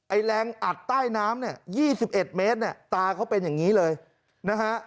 แรงอัดใต้น้ำเนี่ย๒๑เมตรเนี่ยตาเขาเป็นอย่างนี้เลยนะฮะ